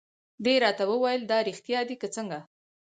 دې راته وویل: دا رېښتیا دي که څنګه؟